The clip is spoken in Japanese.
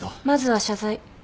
まずは謝罪。